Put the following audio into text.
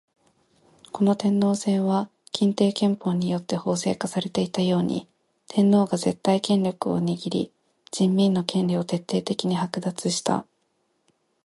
この天皇制は欽定憲法によって法制化されていたように、天皇が絶対権力を握り人民の権利を徹底的に剥奪した。